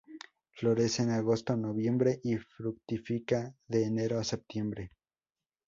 Florece en agosto-noviembre y fructifica de enero a septiembre.